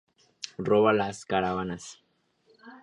Roba las caravanas.